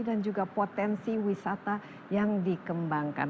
dan juga potensi wisata yang dikembangkan